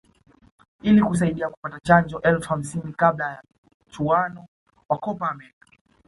ili kusaidia kupata chanjo elfu hamsini kabla ya mchuano wa Copa America